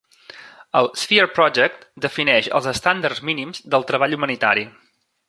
El Sphere Project defineix els estàndards mínims del treball humanitari.